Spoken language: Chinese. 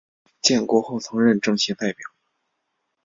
建国后曾任政协代表。